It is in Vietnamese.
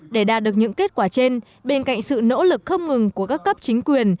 để đạt được những kết quả trên bên cạnh sự nỗ lực không ngừng của các cấp chính quyền